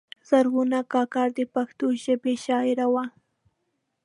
زرغونه کاکړه د پښتو ژبې شاعره وه.